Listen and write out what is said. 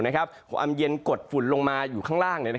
ความเย็นกดฝุ่นลงมาอยู่ข้างล่าง